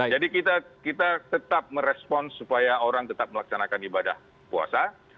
jadi kita tetap merespon supaya orang tetap melaksanakan ibadah puasa